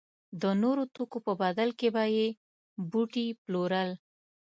د نورو توکو په بدل کې به یې بوټي پلورل.